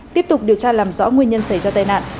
tiếp tục điều tra làm rõ nguyên nhân xảy ra tai nạn